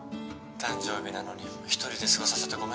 誕生日なのに一人で過ごさせてごめんな。